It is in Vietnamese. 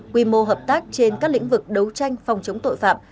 quy mô hợp tác trên các lĩnh vực đấu tranh phòng chống tội phạm